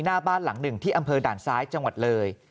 หน้าบ้านหลังหนึ่งที่อำเภอด่านซ้ายจังหวัดเลย